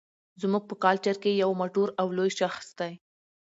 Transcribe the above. زموږ په کلچر کې يو مټور او لوى شخص دى